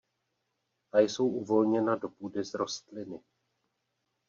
Ta jsou uvolněna do půdy z rostliny.